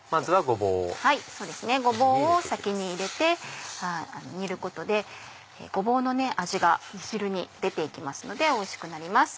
ごぼうを先に入れて煮ることでごぼうの味が煮汁に出て行きますのでおいしくなります。